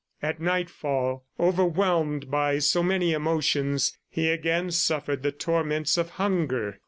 At nightfall, overwhelmed by so many emotions, he again suffered the torments of hunger.